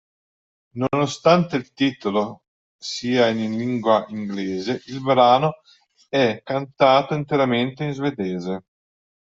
Nonostante il titolo sia in lingua inglese, il brano è cantato interamente in svedese.